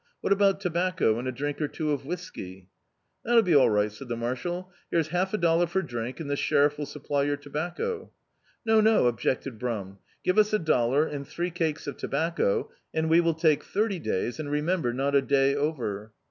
What about tobacco and a drink or two of whiskey?" "That'll be all right," said the marshal, "here's half a dollar for a drink, and the sheriff will supply your tobacco." "No, no," objected Brum, "give us a dollar and three cakes of tobacco, and we will take thirty days, and remember, not a day over."